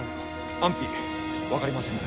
安否分かりませぬ。